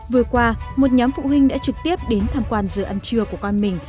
vừa qua một nhóm phụ huynh đã trực tiếp đến tham quan giờ ăn trưa của con mình